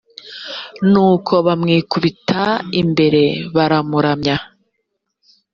nuko bamwikubita imbere baramuramya